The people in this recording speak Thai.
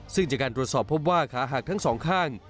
ซึ่งจากการตรวจสอบพบว่าขาหักทั้งสองข้าง